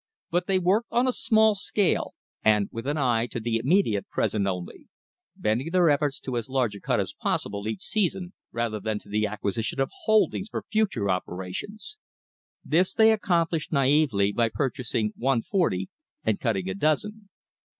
But they worked on a small scale and with an eye to the immediate present only; bending their efforts to as large a cut as possible each season rather than to the acquisition of holdings for future operations. This they accomplished naively by purchasing one forty and cutting a dozen.